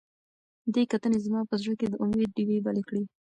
دې کتنې زما په زړه کې د امید ډیوې بلې کړې.